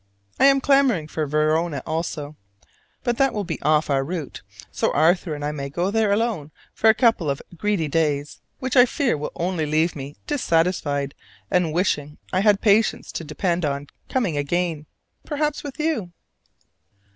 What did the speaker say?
I am clamoring for Verona also; but that will be off our route, so Arthur and I may go there alone for a couple of greedy days, which I fear will only leave me dissatisfied and wishing I had had patience to depend on coming again perhaps with you!